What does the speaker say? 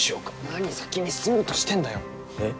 何先に進もうとしてんだよえっ？